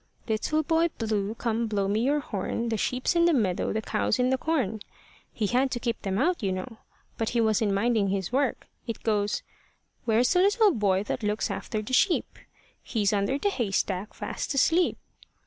Little Boy Blue, come blow me your horn; The sheep's in the meadow, the cow's in the corn, He had to keep them out, you know. But he wasn't minding his work. It goes Where's the little boy that looks after the sheep? He's under the haystack, fast asleep.